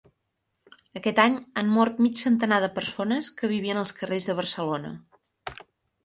Aquest any han mort mig centenar de persones que vivien als carrers de Barcelona